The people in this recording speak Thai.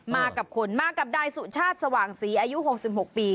มากับคนมากับนายสุชาติสว่างศรีอายุ๖๖ปี